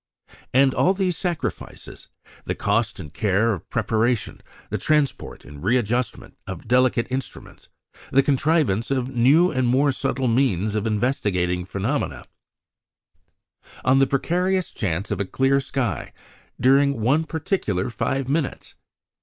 And all these sacrifices the cost and care of preparation, the transport and readjustment of delicate instruments, the contrivance of new and more subtle means of investigating phenomena on the precarious chance of a clear sky during one particular five minutes!